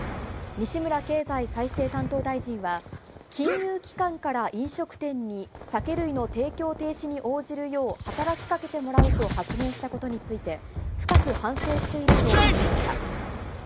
西村経済再生担当大臣は、金融機関から飲食店に、酒類の提供停止に応じるよう働きかけてもらうと発言したことについて、深く反省していると述べました。